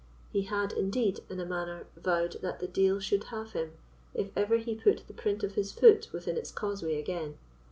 He had, indeed, in a manner vowed that the deil should have him, if ever he put the print of his foot within its causeway again.